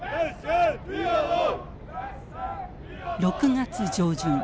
６月上旬